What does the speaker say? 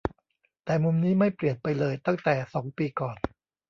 แต่มุมนี้ไม่เปลี่ยนไปเลยตั้งแต่สองปีก่อน